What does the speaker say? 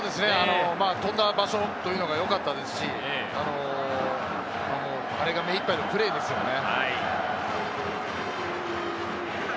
飛んだ場所というのがよかったですし、あれが目いっぱいのプレーですよね。